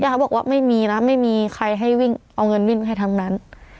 เขาบอกว่าไม่มีนะไม่มีใครให้วิ่งเอาเงินวิ่งให้ทั้งนั้น